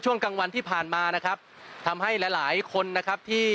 กลางวันที่ผ่านมานะครับทำให้หลายหลายคนนะครับที่